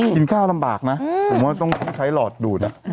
กินข้าวลำบากนะผมว่าต้องใช้หลอดดูด